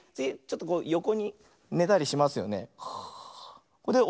よこにねたりしますよね。